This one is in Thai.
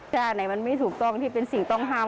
ถ้าอันไหนมันไม่ถูกต้องที่เป็นสิ่งต้องห้าม